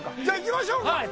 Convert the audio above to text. じゃあ、行きましょうか。